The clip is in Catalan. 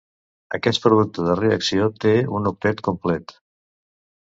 Aquest producte de reacció té un octet complet.